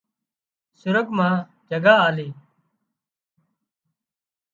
سرڳ مان جڳا آلي